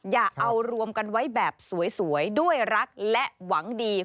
อย่าเอารวมกันไว้แบบสวยด้วยรักและหวังดี